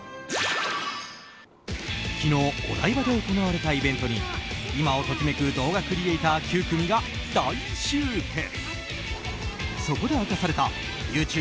昨日お台場で行われたイベントに今を時めく動画クリエーター９組が大集結。